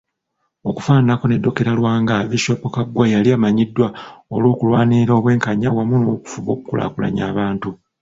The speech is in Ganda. Okufaananako ne Dokira Lwanga, Bisoopu Kaggwa yali amanyiddwa olw'okulwanirira obwenkanya wamu n'okufuba okukulaakulanya abantu.